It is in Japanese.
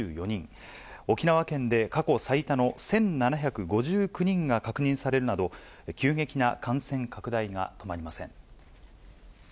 沖縄県で過去最多の１７５９人が確認されるなど、急激な感染拡大が止まりません。